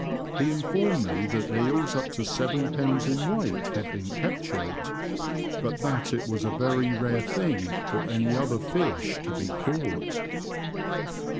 He informed me that eels up to seven pounds in weight had been captured, but that it was a very rare thing for any other fish to be caught.